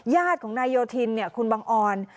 ญาติของนายโยธินคุณบังออน